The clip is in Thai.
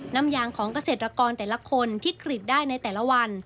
น้ำยางของเกษตรกรแต่ละคนที่กรีดได้ในแต่ละวัน